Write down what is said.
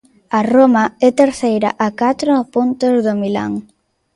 A Roma é terceira a catro puntos do Milán.